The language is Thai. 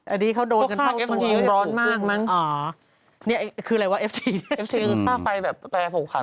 อันนี้เขาโดนกันเท่าตัวอ๋อนี่คืออะไรวะเอฟซีนี่เอฟซีนี่คือข้าวไฟแบบแปลฝูกขัง